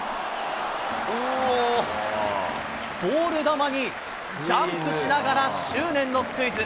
ボール球にジャンプしながら執念のスクイズ。